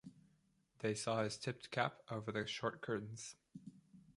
They saw his tipped cap over the short curtains.